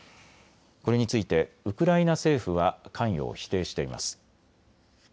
これについてウクライナ政府は関与を否定しています。